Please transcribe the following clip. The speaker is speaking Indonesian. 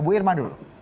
bu irma dulu